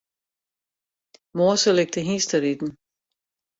Moarn sil ik te hynsteriden.